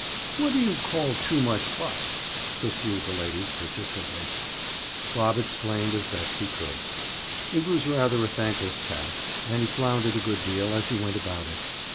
"What do you call 'too much fuss'?" pursued the lady persistently. Bob explained as best he could. It was rather a thankless task and he floundered a good deal as he went about it.